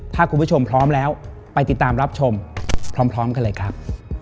ถ้าคุณผู้ชมพร้อมแล้วไปติดตามรับชมพร้อมกันเลยครับ